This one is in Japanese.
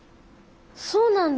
そうなんだ。